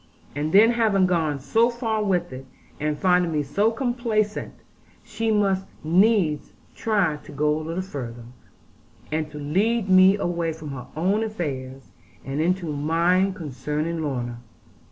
And then having gone so far with it, and finding me so complaisant, she must needs try to go a little further, and to lead me away from her own affairs, and into mine concerning Lorna.